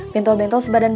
bentol bentol sebadan banget